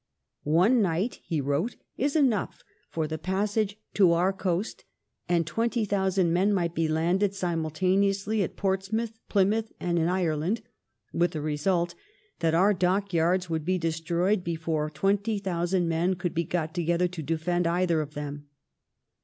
One nighty he wrote, £9 enough for the passage to our coast, and twenty lihousand men might be lauded simultaneously at Ports ^sioutb, Plymautby and in Ireland, with the result thai our dockyards would be destroyed before twenty thou :«and men could be got together to defend either of them.